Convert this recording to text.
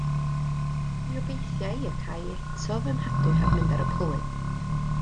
Mi obeithia i y ca i eto fy nghadw rhag mynd ar y plwy.